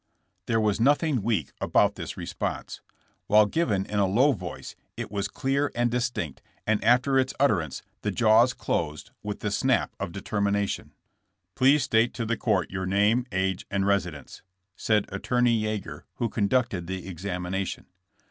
'* There was nothing weak about this re sponse. While given in a low voice, it was clear and distinct, and after its utterance the jaws closed with the snap of determination. *' Please state to the court your name, age and residence,'' said Attorney Yeager, who conducted the examination.